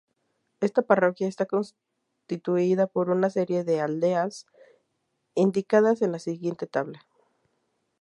Esta parroquia está constituida por una serie de aldeas, indicadas en la siguiente tabla.